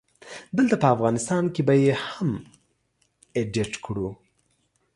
دلته په افغانستان کې به يې هم اډيټ کړو